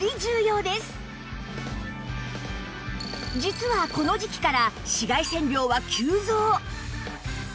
実はこの時季から紫外線量は急増